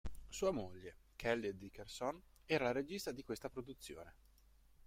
Sua moglie, Kellie Dickerson, era la regista di questa produzione.